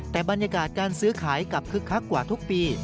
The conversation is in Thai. แต่บรรยากาศการซื้อขายกลับคึกคักกว่าทุกปี